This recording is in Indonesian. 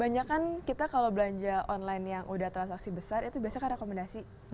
banyak kan kita kalau belanja online yang udah transaksi besar itu biasanya kan rekomendasi